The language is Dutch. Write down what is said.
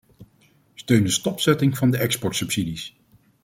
Steun de stopzetting van de exportsubsidies!